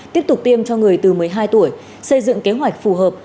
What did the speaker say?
tiếp tục tiêm cho người từ một mươi hai tuổi xây dựng kế hoạch phù hợp